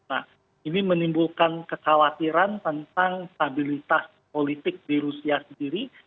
nah ini menimbulkan kekhawatiran tentang stabilitas politik di rusia sendiri